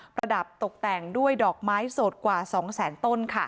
ระดับตกแต่งด้วยดอกไม้สดกว่า๒แสนต้น